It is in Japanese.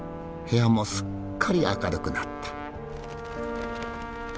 部屋もすっかり明るくなった。